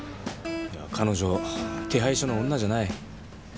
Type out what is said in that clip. いや彼女手配書の女じゃない。